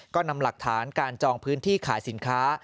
ก็นำหลักฐานการจองพื้นที่ขายสินค้า